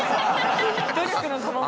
努力のたまもの。